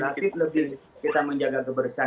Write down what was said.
tapi lebih kita menjaga kebersihan